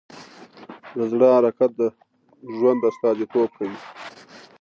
د زړه حرکت د ژوند استازیتوب کوي.